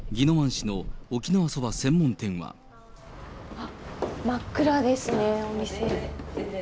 昨夜、真っ暗ですね、お店。